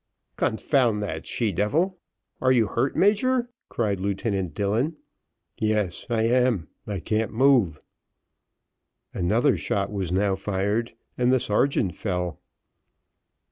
"Confound that she devil! Are you hurt, major?" cried Lieutenant Dillon. "Yes, I am I can't move." Another shot was now fired, and the sergeant fell.